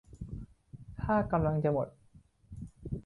ถ้ากำลังจะหมด